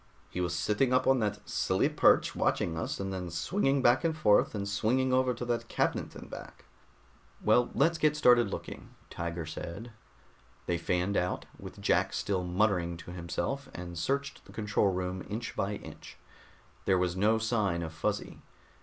"He was sitting up on that silly perch watching us, and then swinging back and forth and swinging over to that cabinet and back." "Well, let's get started looking," Tiger said. They fanned out, with Jack still muttering to himself, and searched the control room inch by inch. There was no sign of Fuzzy.